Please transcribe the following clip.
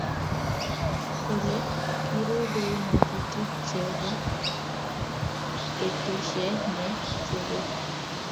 kole kirubei ngatutik che bo keteshe ne chebei